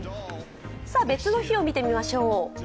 別の日を見てみましょう。